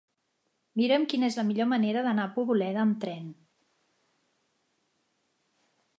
Mira'm quina és la millor manera d'anar a Poboleda amb tren.